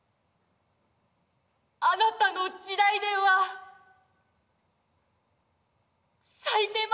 あなたの時代では咲いてますか？